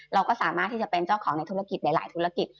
เราก็สามารถที่จะเป็นเจ้าของในธุรกิจหลายธุรกิจ